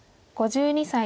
５２歳。